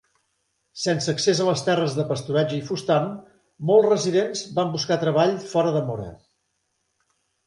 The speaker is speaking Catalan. Sense accés a les terres de pasturatge i fustam, molts residents van buscar treball fora de Mora.